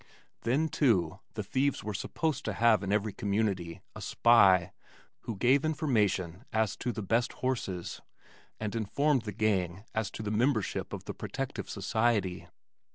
Then, too, the thieves were supposed to have in every community a spy who gave information as to the best horses, and informed the gang as to the membership of the Protective Society.